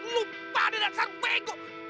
lu pada dasar bego